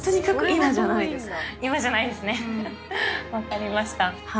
分かりました。